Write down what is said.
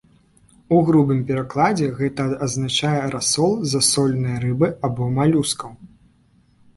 У грубым перакладзе гэта азначае расол засоленай рыбы або малюскаў.